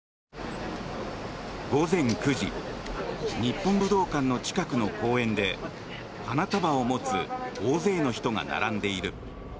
午前９時日本武道館の近くの公園で花束を持つ大勢の人が並んでいる。